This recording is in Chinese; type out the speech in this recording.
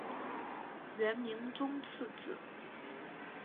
元明宗次子。